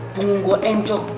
punggung gua encok